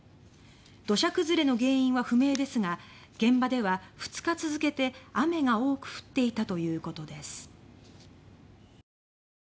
土砂崩れの原因は不明ですが現場では２日続けて、雨が多く降っていたということです。